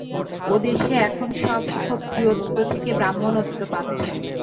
ওদেশে এখন সব ক্ষত্রিয়ত্ব থেকে ব্রাহ্মণত্ব পাচ্ছে।